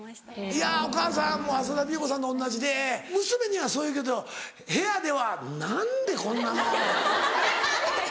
いやお母さんも浅田美代子さんと同じで娘にはそう言うけど部屋では「何でこんなもん！」。